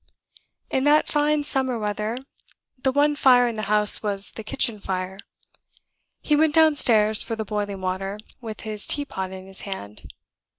In that fine summer weather, the one fire in the house was the kitchen fire. He went downstairs for the boiling water, with his teapot in his hand.